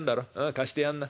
貸してやんな。